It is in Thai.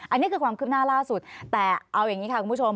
อันนี้คือความคืบหน้าล่าสุดแต่เอาอย่างนี้ค่ะคุณผู้ชม